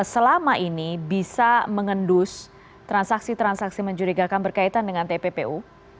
selama ini bisa mengendus transaksi transaksi mencurigakan berkaitan dengan tppu